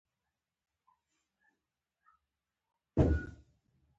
هغه وویل، زه د سولې په ټینګښت کې ښه کار کړی دی.